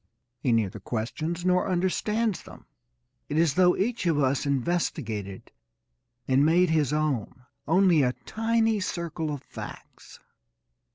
He neither questions nor understands them. It is as though each of us investigated and made his own only a tiny circle of facts.